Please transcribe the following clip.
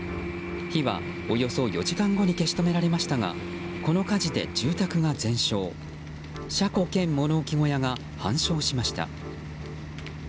火はおよそ４時間後に消し止められましたがこの火事で住宅が全焼車庫兼物置小屋が半焼しました。